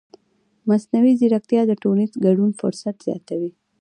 مصنوعي ځیرکتیا د ټولنیز ګډون فرصت زیاتوي.